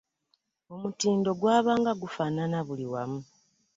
Omutindo gwabanga gufaanana buli wamu.